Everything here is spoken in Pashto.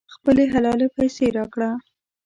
خپلې حلالې پیسې راکړه.